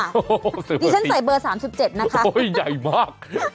นี่ฉันใส่เบอร์๓๗นะคะโอ้ยใหญ่มาก